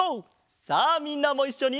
さあみんなもいっしょに！